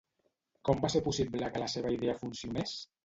Com va ser possible que la seva idea funcionés?